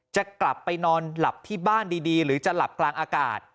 จะกลับไปนอนหลับที่บ้านดีหรือจะหลับกลางอากาศ